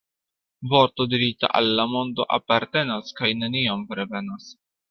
Vorto dirita al la mondo apartenas kaj neniam revenas.